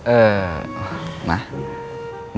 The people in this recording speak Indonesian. ah pak jinn